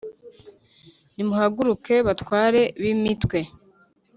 Nimuhaguruke, batware b’imitwe !